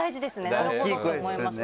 なるほどと思いました。